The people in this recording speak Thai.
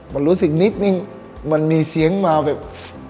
มันรู้สึกนิดนึงมันมีเสียงมาแบบ